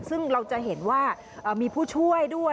ซึ่งเราจะเห็นว่ามีผู้ช่วยด้วย